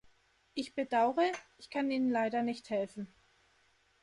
Ich bedaure, ich kann Ihnen leider nicht helfen.